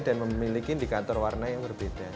dan memiliki indikator warna yang berbeda